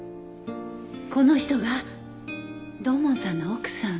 この人が土門さんの奥さん。